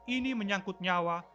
ini menyangkut nyawa